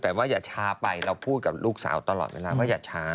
แต่ว่าอย่าช้าไปเราพูดกับลูกสาวตลอดเวลาว่าอย่าช้า